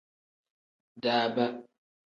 Daaba.